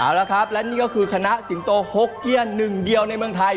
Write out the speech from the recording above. เอาละครับและนี่ก็คือคณะสิงโตโฮกเกียร์หนึ่งเดียวในเมืองไทย